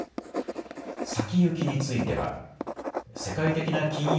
先行きについては世界的な金融